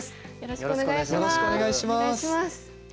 よろしくお願いします。